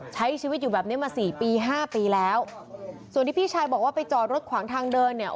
ใช้ชีวิตอยู่แบบเนี้ยมาสี่ปีห้าปีแล้วส่วนที่พี่ชายบอกว่าไปจอดรถขวางทางเดินเนี่ย